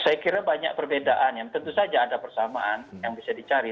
saya kira banyak perbedaan yang tentu saja ada persamaan yang bisa dicari